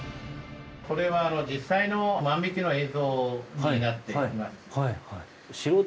これは実際の万引きの映像になっています。